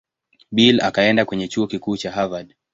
Bill akaenda kwenye Chuo Kikuu cha Harvard.